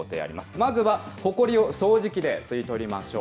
まずはホコリを掃除機で吸い取りましょう。